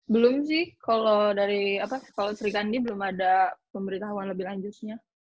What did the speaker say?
belum sih kalau dari kalau sri kandi belum ada pemberitahuan lebih lanjutnya